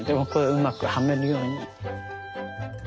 うまくはめるように。